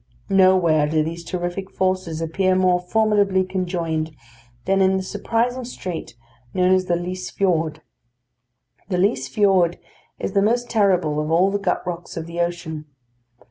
Nowhere do these terrific forces appear more formidably conjoined than in the surprising strait known as the Lyse Fiord. The Lyse Fiord is the most terrible of all the gut rocks of the ocean.